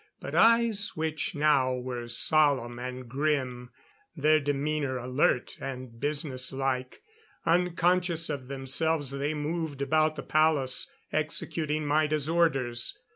But eyes which now were solemn and grim. Their demeanor alert and business like. Unconscious of themselves they moved about the palace, executing Maida's orders.